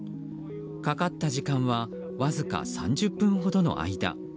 かかった時間はわずか３０分ほどの間。